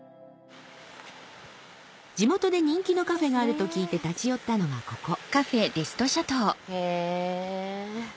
地元で人気のカフェがあると聞いて立ち寄ったのがここへぇ。